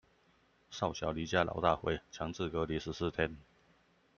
少小離家老大回，強制隔離十四天